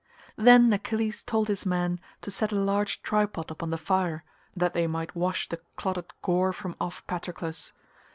Then Achilles told his men to set a large tripod upon the fire that they might wash the clotted gore from off Patroclus.